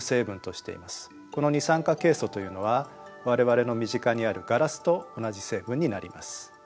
この二酸化ケイ素というのは我々の身近にあるガラスと同じ成分になります。